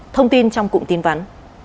thông tin trong cụng tin vắn